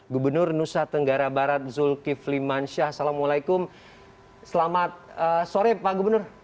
gubernur nusa tenggara barat zulkifli mansyah assalamualaikum selamat sore pak gubernur